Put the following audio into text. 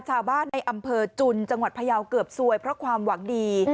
ชาวบ้านในอำเภอจุนจังหวัดพยาวเกือบซวยเพราะความหวังดี